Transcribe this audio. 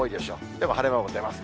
でも晴れ間も出ます。